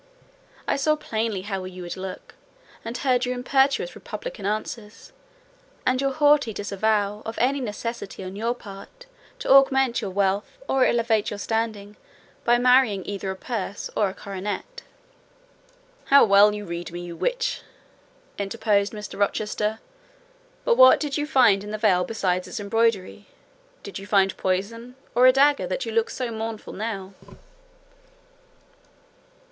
I saw plainly how you would look; and heard your impetuous republican answers, and your haughty disavowal of any necessity on your part to augment your wealth, or elevate your standing, by marrying either a purse or a coronet." "How well you read me, you witch!" interposed Mr. Rochester: "but what did you find in the veil besides its embroidery? Did you find poison, or a dagger, that you look so mournful now?"